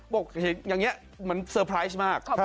บอกอย่างนี้มันเซอร์ไพรส์มาก